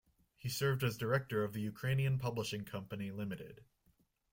He served as director of the Ukrainian Publishing Company, Limited.